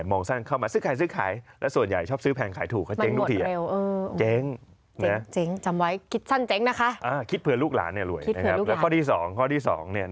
เพราะโดยค่าเฉลี่ยเนี่ย